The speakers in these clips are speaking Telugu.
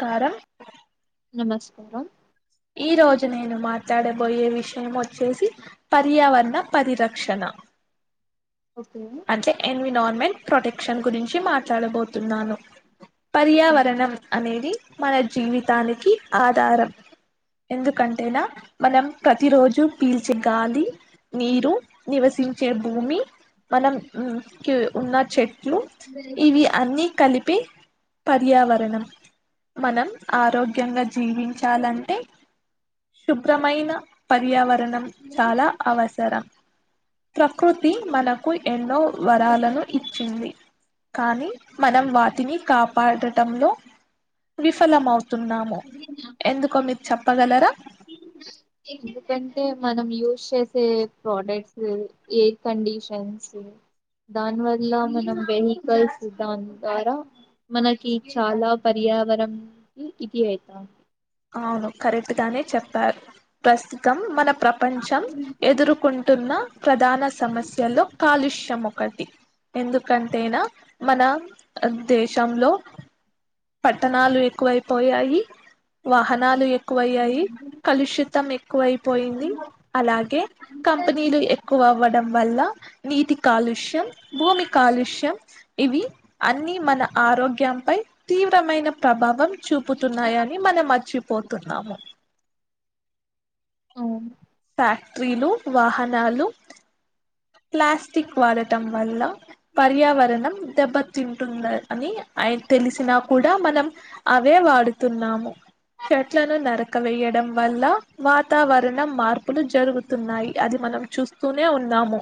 కారం నమస్కారం ఈ రోజున నేను మాట్లాడే బోయే విషయం మొ వచ్చేసి పర్యావరణ పరిరక్షణ ఓకే అ ఎన్వినమెట్ ప్రొటెక్షన్ గురించి మాట్లాడబోతున్నాను ఓకే. పర్యావరణం అనేది మన జీవితం దానికి ఆధారం ఎందుకంటేనా మనం ప్రతిరోోజు పీల్చే గాలి నీరు నివసించే భూమి మనం క ఉన్న చెట్ ఇవి అన్ని కలిపి పర్యావరణం మనం ఆరోగ్యంగా జీవించాలంటే శుభ్రమైన పర్యావరణ చాలా అవసరం ప్రకృతి మన ఎన్నో వరాలను ఇచ్చింది కానీ మనం వాటిని కాపాడటంలో విఫలం అవుతు న్నామ ఎందుక చెప్పగలరా ఎందుకంటే మనం యూస్ చేసే ప్రోడక్ట్స్ ఎయిర్ కండడిషన్స్ దాని వల్ల మనం వెహికల్స్ దాని ద్వారా మనకి చాలా పర్యావరణ ఇది అవుతుంది అవును కరెక్ట్ గానే చెప్పారు ప్రస్తుతం మన ప్రపంచం ఎదుర్కొంటున్న ప్రధాన సమస్యలు కాలుష్యము ఒకటి ఎందుకంటేన మన దేశంలో పట్టణాలు ఎ కువైపోయయి వాహనాలు ఎక్కువ అయ్యాయి కలుషితం ఎక్కువైపోయింది అలాగే కంపెనీలు ఎక్కువ అవ్వడం వల్ల నీటి కాలుష్యం భూమి కాలుష్యం ఇవి అన్ని మన ఆరోగ్యంపై తీవ్రమైన ప్రభావం చూపుతున్నాయని కాచి పోతున్నాము అవును ఫ్యాక్టరీలు వాహనాలు ప్లాస్టిక్ వాడటం వల్ల పర్యావరణం దెబ్బ తింటుంద అని ఆయన తెలిసినా కూడా మనం అవే వాడుతున్నాము చెట్లను నర వేయడం వల్ల వాతావరణం మార్పు ప్పులు జరుగుతున్నాయి అది మనం చూస్తూనే ఉన్నాము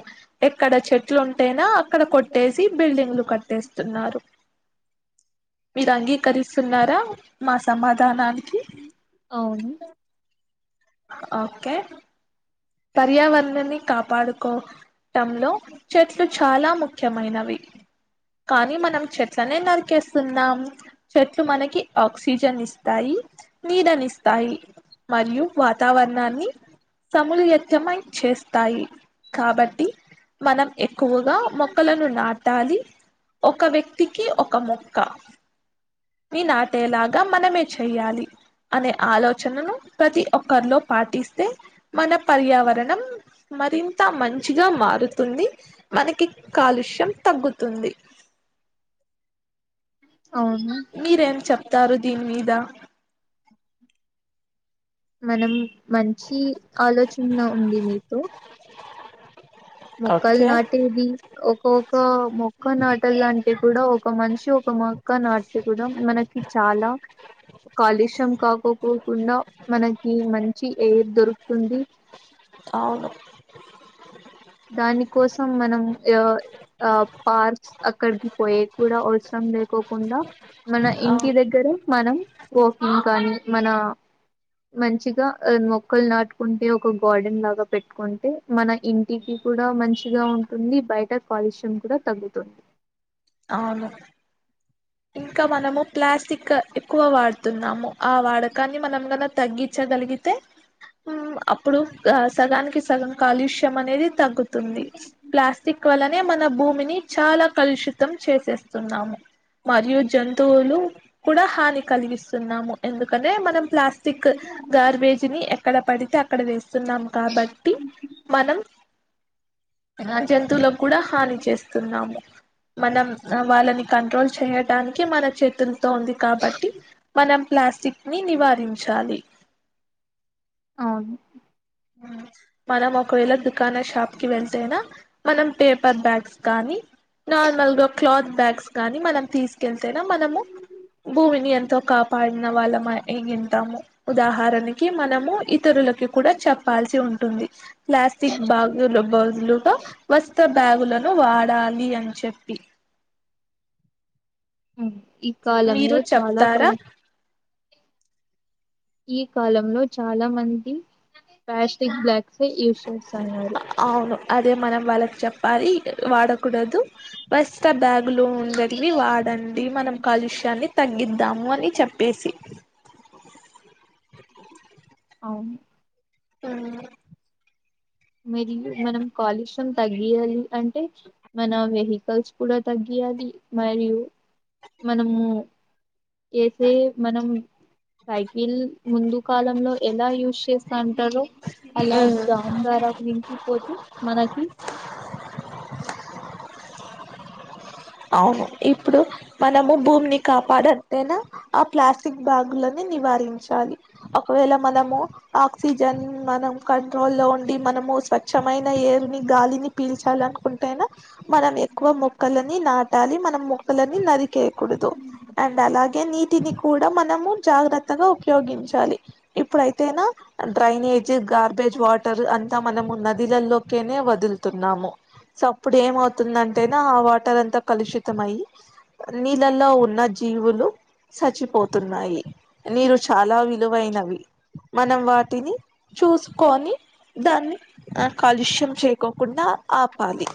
ఎక్కడ చెట్లు ఉంటేనా అక్కడ కొట్టేసి బిల్డింగ్లు కట్టేస్తున్నారు మీరు అంగీకరిస్తున్నారా మా సమాధానానికి అవును ఓకే పర్యావరణనేే కాపాడుకో లో చెట్లు చాలా ముఖ్యం ముఖ్యమైనవి కానీ మనం చెట్లనే నరికేస్తున్నాం చెట్లు మనకి ఆక్సిజన్ ఇస్తాయి నీడనిస్తాయి మరియు వాతావరణాన్ని సము మ చేస్తాయి కాబట్టి మనం ఎక్కువగా మొక్కలను నాటాలి ఒక వ్యక్తికి ఒక మొక్క నీ నాటేలాగా మనమే చెయ్యాలి అనే ఆలోచనను ప్రతి ఒక్కరిలో పాటిస్తే మన పర్యావరణం మరింత మంచిగ మారుతుంది మనకి కాలుష్యం తగ్గుతుంది అవును మీరేం చెప్ప తారు దీన్ మీద మనం మంచి ఆలోచన ఉంది మీతో మొక్కలు ఓకే నాటేది ఒకొక్క మొక్క నాటలు అంటే కూడా ఒక మనిషి ఒక మొక్క నాటితే కూడా మనకి చాలా కాలుష్యం కాకుకు కుండ మనకి మంచి ఏ ఇద్దరు అవును దాని కోసం మనం యో ఆ పార్క్స్ అక్కడికి పోయే కూడా అవసరం లేకోకుండా మన ఇంటి అవును దగ్గర మనం వాకింగ్ కానీ మనా మంచిగా అ మొక్కల్ నాటుకుంటే ఒక గార్డెన్ లాగ పెట్టుకుంటే మన ఇ ఇంటిక్ కూడా మంచ్ చిగా ఉంటుంది బయట కాలుష్యం కూడ తగ్గుతుంది అవును ఇంకా మనము ప్లాస్టిక ఎక్కువ వాడుతున్నాము ఆ వాడకాన్ని మనం గల తగ్గిచ్చగలిగితే అప్ ప్పుడూ ఆ సగానికి సగం కాలుష్యం అనేది తగ్గుతుంది ప్లాస్టిక్ వల్లన్ నే మన భూమిని చాలా కల్షితం చేసేస్తున్నాము మరియు జంతువులూ కూడ హాని కలిగిస్తున్నాము ఎందుకనే మనం ప్లాస్టిక్ గార్బేజ్ నీ ఎర్త్ ఎక్కడ పడితే అక్కడ వేస్ స్తున్నాం కాబట్టి మనం జంతువులకు కూడ హాని చేస్తున్నాము మనం అ వాళ్ళని కంట్రోల్ చేయడానికి మన చేతుల్ ల్లో ఉంది కాబట్టి మనం ప్లాస్టిక్ నీ నివారించాలి అవును మనం ఒకవేల దుకాణ షాప్ కి వెళ్తేనా మనం పేపర్ బ్యాగ్స్ కానీ నార్మల్ గో క్లాత్ బ్యాగ్స్ కాని మనం తీసుకెళ్తేనే మనము భూమిని ఎంతో కాపాడిన వాళ్ళ మై యి ఉంటాము ఉదాహరణకి మనము ఇతరులకి కూడ చెప్ ప్పాల్సి ఉంటుంది ప్లాస్టిక్ బ్యాగ్లకు బదులుగా వస్త్ర బ్యాగులను వాడాలి అని చెప్పి హ్మ ఈ కాలంలో మీరు చాలా చెప్తారా ప్రయ ఈ కాలంలో చాలా మంది ప్లాస్టిక్ బ్యాగ్స్ నీ యూస్ చేస్తా అన్నారు అవును అదే మనం వాళ్ళకి చెప్పాలీ వాడకూడదు వస్త్ర బ్యాగు లో ఉండేటివీ వాడండి మనం కాలుష్యాన్ని తగ్గిద్దాము అని చెప్పేసి అవును ఆ మరియు మనం కాలుష్యం తగ్గియాలి అంటే మన వెహికల్స్ కూడా తగ్గియాలి మరియు మనము. ఏసే మనం సైకిల్ ముందు కాలంలో ఎలా యూస్. స్తంటారు అలా ఉమ్ దా దారా పోచ మనకి. అవును ఇప్పుడు మనము భూమిని కాపాడంటేనా అవును మనము ఇప్పుడు కాపాడాలంటే ఆ ప్లాస్టిక్ బ్యాగులని నివారించాలి ఒకవేళ మనము ఆక్సిజన్ మనం కంట్రోల్ లో ఉండి మనము స్వచ్మైన ఏరుని గాలిని పీల్చాలి అనుకుంటేనా. మనం ఎక్కువ మొక్కలని నా. టాలీ మనం మొక్కలని నరి. కేకూడదు అండ్ అలాగే. నీటిని కూడా మనము జాగ్రత్తగా ఉపయోగించాలి. ఇప్పుడైతేనా డ్రైనేజ్ గార్బేజ్ వాటర్ అంతా మనము నదిలలోకేనే వదులుతున్నాము సో అప్పుడు ఏమవుతుందంటేనా ఆ వాటర్ అంత. కలుషితమైి నీళ్లల్లో ఉన్నజ్జ్. జీవులు సచపోతున్నాయి నీరు చాలా విలువైనవి మనం వాటిని చూసుకొని దాన్ని కాలుష్యం చెయ్యకుండా ఆపాలి.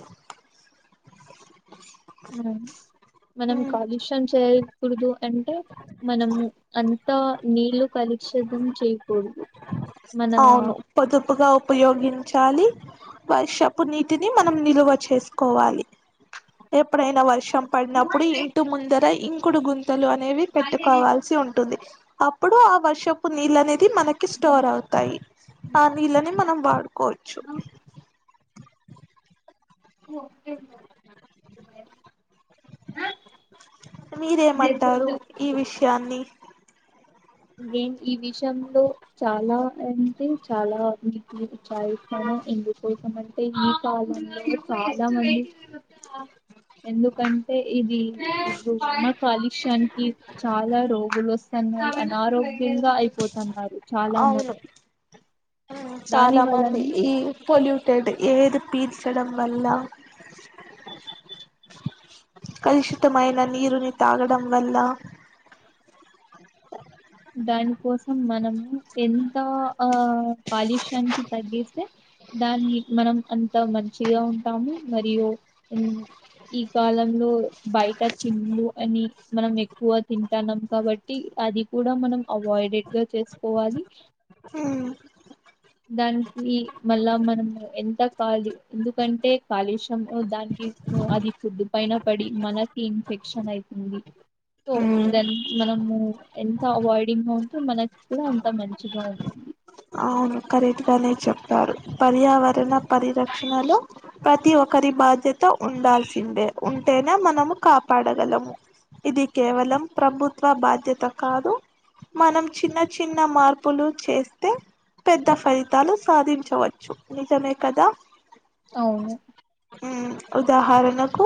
అ మనం కాలుష్యం చేయకూడదు అంటే మనం అంతా నీళ్లు కలుషితం చేయకూడదు మన వలి వర్షపు నీటిని మనం నిల్వ చేసుకోవాలి ఎప్పుడైనా వర్ష సంపడన అప్పుడు ఇంటి ముందర ఇం ఇంకుడు గున్ తలు అనేవి పెట్టుకోవాల్సి ఉంటుది అప్పుడు ఆ వర్షపు నీళ్ళనే తి మనకి స్టోర్ అవుతాయి. ఆ నీళ్ళని మనం వాడుకోవచ్చు. మీరేం అంటారు ఈ విషయాన్ని నేను ఈ విషయంలో చాలా అంటే చాలా [inaudible] వి ఛాయిస్ [inaudible] కోసమంటే ఈ కాలం లేదు చాలా మంది ఎందుకంటే ఇది బుక్ మగ్ కాలుష్యానికి చాలా రోగులు వస్తున్నాయి ఆరోగ్యంగా అయిపోతున్నారు. చాలా మంది అవును దాని చాలా మంది వలన ఈ పొల్యూట్. రెట్ ఏది పీల్చడం వల్ల కలుషితమైన నీరుని తాగడం వల్ల దాని కోసం మనము ఎంతా ఆ కాలుష్యానికి తగ్గిస్తే దాన్ని మనం అంత మంచిగా ఉంటాము మరియు ఈ కాలంలో బయట తిళ్ళు అని మనం ఎక్కువ తింటాన్నాం కాబట్టి అది కూడా మనం అవాయిడెడ్ గా చేసుకోవాలి అ దానికి మళ్ళా మనము ఎంత కాలి ఎందుకంటే కాలుష్యం దానికి అది ఫుడ్ పైన పడి మనకి ఇన్ఫెక్షన్ అయితుంది సో ఉమ్ దాని మనము ఎంత అవాయిడింగ్ గా ఉంటే మనకి కూడా అంత మంచిగా ఉంటుంది అవును కరెక్ట్గానే చెప్పారు పర్యావరణ పరిరక్షణలో ప్రతి ఒక్కరి బాధ్య తో ఉండల్ సిందే పట్టేనా మనము కాపాడగలము ఇది కేవలం ప్రభుత్వ బాధ్యత కాదు మనం చిన్న చిన్న మార్పులు చేసే తే పెద్ద ఫలితాలు సాధించవచ్చు నిజమే కదా అవును హ్మ్ ఉదాహరణకు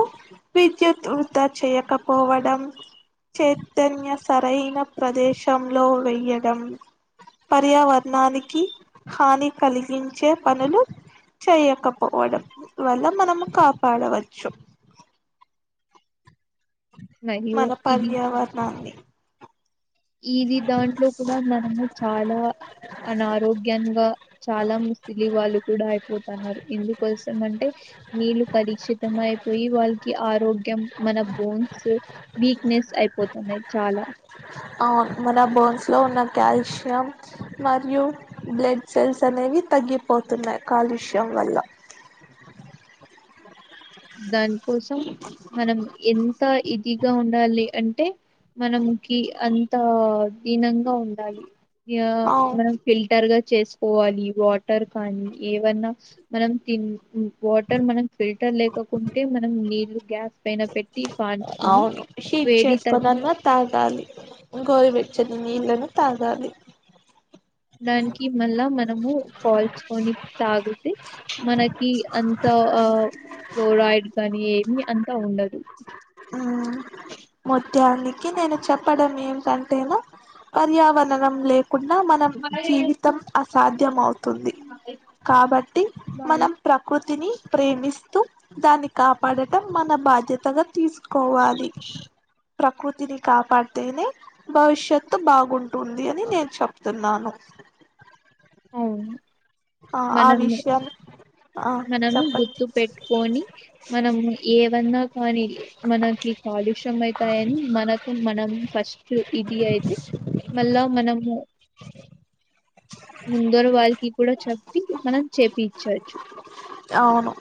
విద్యుత్ వృధ చేయకపోవడం చెత్తన్య సరైన ప్రదేశంలో వెయ్యడం పర్యావర దానికి హాని కలిగించే పనులు చేయకపోవడం వల్ల మనము కాపాడవచ్చు మరియు మన ఇది పర్యావరణాన్ని ఇది దాంట్లో కూడా మనము చాలా అనారోగ్యంగా చాలా ము ముసలి వాళ్ళు కూడా అయిపోతన్నారు ఎందుకోసం అంటే నీళ్ళు కలుషి తం అయిపోయి వాళ్ళకి ఆరోగ్యం మన బోన్స్ వీక్నెస్ అయిపోతున్నాయి చాలా ఆవున్ మన బోన్స్లో ఉన్న కాల్షియం మరియు బ్లడ్ సెల్స్ అనేవి తగ్గిపోతున్నాయి కాలుష్యం వల్ల దాని కోసం మనం ఎం ఎంత ఇదిగా ఉండాలి అంటే మనంకి అంత దీనంగా ఉండాలి యా అవు మనం ఫిల్టర్ గా చేసుకోవాలి వాటర్ కానీ ఏవన్నా మనం తిన్ వాటర్ మనం ఫిల్టర్ లేక కుంటే మనం నీళ్లు గ్యాస్ పెట్టి కాంచుకొని అవును హీట్ వేడి చేసుకోనన్న తాగాలి గోరు వెచ్చని నీళ్లను తాగాలి దానికి మళ్ళా మనము కాల్చుకొని తాగితే మనకి అంతా ఆ ఫ్లోరయిడ్ కానీ ఏమి అంతా ఉండదు మొత్త్యానికి నేను చెప్పడం ఏంటంటేను పర్యావరణం లే కున్నా మనం జీవితం అసాధ్యంమవుతుంది కాబట్టి మనం ప్రకృతిని ప్రేమిస్తూ దాన్ని కాపాడటం మన బాధ్యతగా తీసు కోవాలి ప్రకృతిని కాపాడతేనే భవిష్యత్తు బాగుంటు ఉంది అని నేను చెప్తున్నాను అవును ఆ ఆ మనం విషయా మనము గుర్తు పెట్టుకొని మనము ఏవన్నా కానీ మనకి కాలుష్యం అయితాయని మనకు మనం ఫస్ట్ ఇది అయితే మళ్ళా మనము ముందర వారికి కూడా చెప్పి మనం చేపిచొచ్చు అవును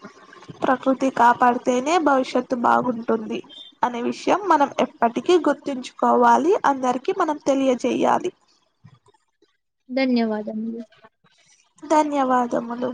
ప్రకృతి కాపాడితేనే భవిష్యత్తు బాగుంటుంది అనే విషయం మనం ఎప్పటికీ గుర్తుంచుకోవాలి అందరికి మనం తెలియజేయాలి ధన్యవాదమ్ [unintelligible] ధన్యవాదములు